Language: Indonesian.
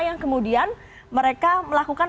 yang kemudian mereka melakukan